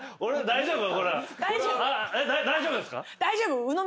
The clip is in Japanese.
大丈夫！